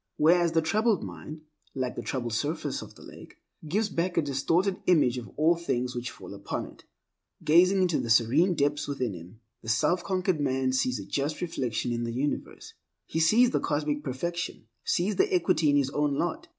Whereas, the troubled mind, like the troubled surface of the lake, gives back a distorted image of all things which fall upon it. Gazing into the serene depths within him, the self conquered man sees a just reflection of the universe. He sees the Cosmic Perfection; sees the equity in his own lot.